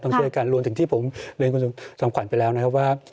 ช่วยกันรวมถึงที่ผมเรียนคุณจอมขวัญไปแล้วนะครับว่า